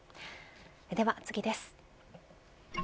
では次です。